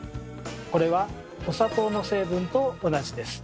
これはお砂糖の成分と同じです。